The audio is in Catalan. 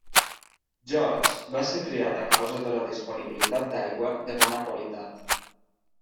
George va ser triat a causa de la disponibilitat d'aigua de bona qualitat.